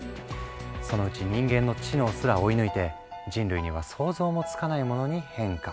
そのうち人間の知能すら追い抜いて人類には想像もつかないものに変化。